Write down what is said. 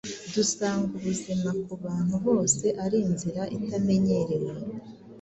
dusanga ubuzima ku bantu bose ari inzira itamenyerewe.